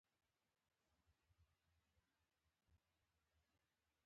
د ملګرو ملتونو د کړو وړو شرحه کیږي.